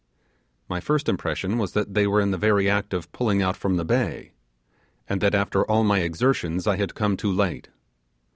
My first impression was that they were in the very act of pulling out from the bay; and that, after all my exertions, I had come too late.